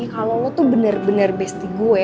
kalau kamu tech london ama saya